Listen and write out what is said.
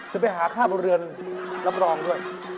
เดี๋ยวไปหาข้าบเรือนรับรองด้วย